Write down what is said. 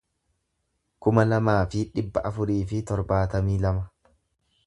kuma lamaa fi dhibba afurii fi torbaatamii lama